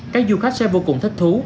các du khách sẽ vô cùng thích thú